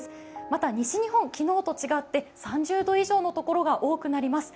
また、西日本、昨日と違って３０度以上の所が多くなります。